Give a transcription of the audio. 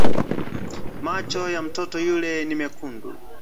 Macho ya mtoto yule ni mekundu